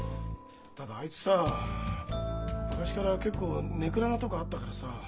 ただあいつさ昔から結構根暗なとこあったからさ。